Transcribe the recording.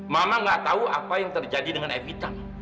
mama gak tahu apa yang terjadi dengan evita